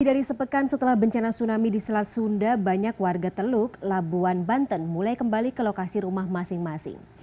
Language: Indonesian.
dari sepekan setelah bencana tsunami di selat sunda banyak warga teluk labuan banten mulai kembali ke lokasi rumah masing masing